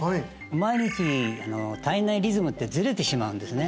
毎日体内リズムってずれてしまうんですね